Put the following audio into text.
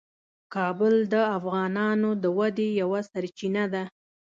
کابل د افغانانو د ودې یوه سرچینه ده.